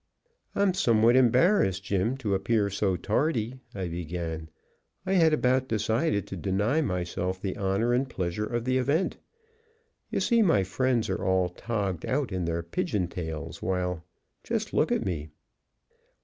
"I'm somewhat embarrassed, Jim, to appear so tardy," I began, "I had about decided to deny myself the honor and pleasure of the event. You see, my friends are all togged out in their pigeon tails, while just look at me."